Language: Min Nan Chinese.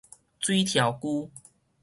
水柱龜